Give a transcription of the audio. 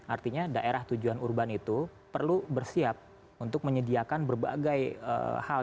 artinya daerah tujuan urban itu perlu bersiap untuk menyediakan berbagai hal